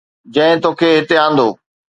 جنهن توکي هتي آندو